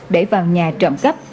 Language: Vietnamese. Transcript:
để vào nhà trộm cấp